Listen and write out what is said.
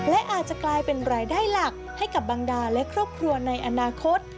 และอาจจะกลายเป็นรายได้หลักให้กับบังดาและครอบครัวในอนาคต